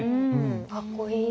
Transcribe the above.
かっこいい。